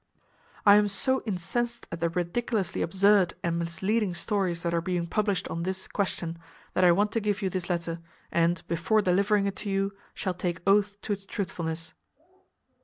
"I am so incensed at the ridiculously absurd and misleading stories that are being published on this question that I want to give you this letter, and, before delivering it to you, shall take oath to its truthfulness."